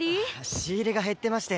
仕入れが減ってまして。